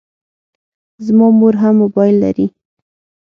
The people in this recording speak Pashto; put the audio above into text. زما مور هم موبایل لري.